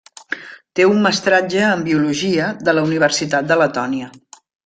Té un mestratge en Biologia de la Universitat de Letònia.